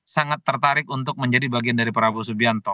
sangat tertarik untuk menjadi bagian dari prabowo subianto